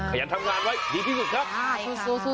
ขยันทำงานไว้ดีที่สุดครับ